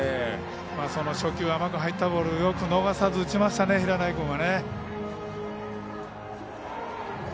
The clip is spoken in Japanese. その初球甘く入ったボールをよく逃さず打ちましたね、平内君は。